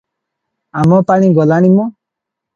ଆମପାଣି ଗଲାଣି ମ!